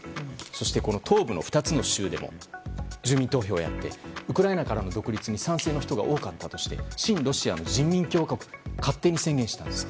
そして東部の２つの州でも住民投票をやってウクライナからの独立に賛成した人が多かったとして親ロシア派の人民共和国と勝手に宣言したんです。